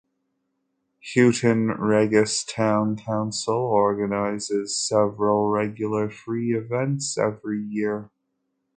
Houghton Regis Town Council organises several regular free events every year.